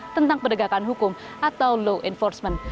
tentang penegakan hukum atau law enforcement